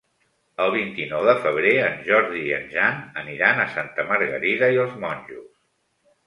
El vint-i-nou de febrer en Jordi i en Jan aniran a Santa Margarida i els Monjos.